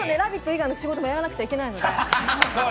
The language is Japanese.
以外の仕事もやらなければいけないので。